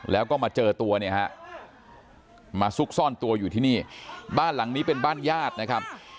แล้วก็มาเจอตัวเนี่ยฮะมาซุกซ่อนตัวอยู่ที่นี่บ้านหลังนี้เป็นบ้านญาตินะครับ